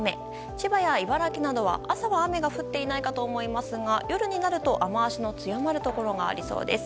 千葉や茨城などは、朝は雨が降っていないかと思いますが夜になると雨脚の強まるところがありそうです。